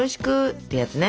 ってやつね。